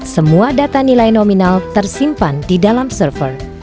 semua data nilai nominal tersimpan di dalam server